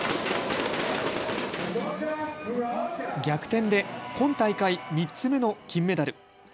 逆転で今大会３つ目の金メダル。